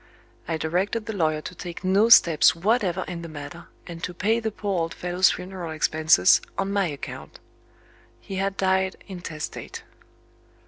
I directed the lawyer to take no steps whatever in the matter, and to pay the poor old fellow's funeral expenses, on my account. He had died intestate.